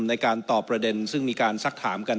ในการตอบประเด็นซึ่งมีการซักถามกัน